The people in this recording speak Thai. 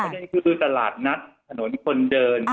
ประเด็นคือดูตลาดนัดถนนคนเดิน